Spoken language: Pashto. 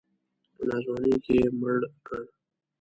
په ناځواني کې یې مړ کړ.